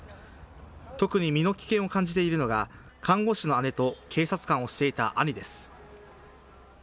特に身の危険を感じているのが、看護師の姉と警察官をしていた兄です。